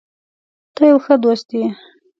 ته یو ښه دوست یې.